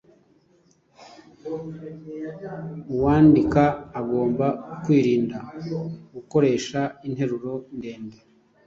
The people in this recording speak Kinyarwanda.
uwandika agomba kwirinda gukoresha interuro ndende